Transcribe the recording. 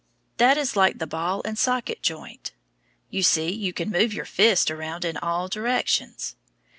That is like the ball and socket joint. You see you can move your fist around in all directions.